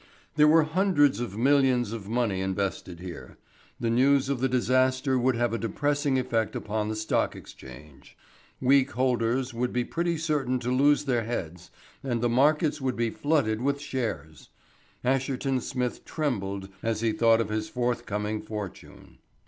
There were hundreds of millions of money invested here. The news of the disaster would have a depressing effect upon the Stock Exchange. Weak holders would be pretty certain to lose their heads, and the markets would be flooded with shares. Asherton Smith trembled as he thought of his forthcoming fortune.